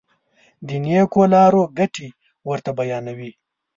د نېکو لارو ګټې ورته بیانوي.